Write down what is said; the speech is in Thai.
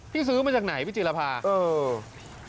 พี่ซื้อมาจากไหนพี่จิลภาษา